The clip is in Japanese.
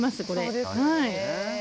そうですよね。